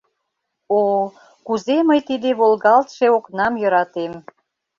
— О, кузе мый тиде волгалтше окнам йӧратем!